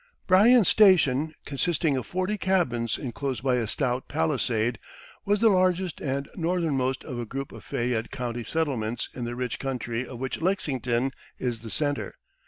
Bryan's Station, consisting of forty cabins enclosed by a stout palisade, was the largest and northernmost of a group of Fayette County settlements in the rich country of which Lexington is the center.